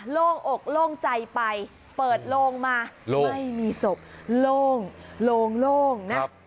ลงออกลงใจไปเปิดโลงมาโลงไม่มีศพโลงโลงโลงนะครับ